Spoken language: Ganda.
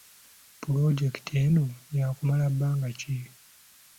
Pulojekiti eno ya kumala bbanga ki?